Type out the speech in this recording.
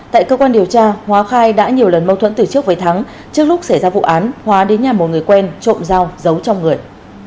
tại cơ quan điều tra hóa khai đã nhiều lần mâu thuẫn từ trước với thắng trước lúc xảy ra vụ án hóa đến nhà một người quen trộm dao giấu trong người